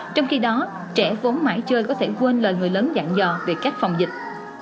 trong khi đó trẻ vốn mãi chơi có thể quên lời người lớn dạng dò về cách phòng dịch